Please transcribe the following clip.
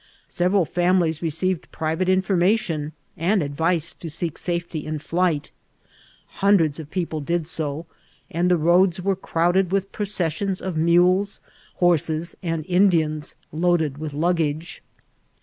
Several families received pri vate information and advice to seek safety in flight. Hundreds of people did so, and the roads were crowd ed with processions of mules, horses, and Indians loaded with luggage.